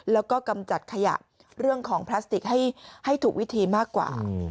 แล้วก็กำจัดขยะเรื่องของพลาสติกให้ถูกวิธีมากกว่า